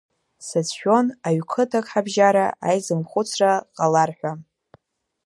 Сацәшәон аҩқыҭак ҳабжьара аизымхәыцра ҟалар ҳәа.